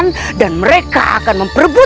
menyebabkan pm mengambil berbalik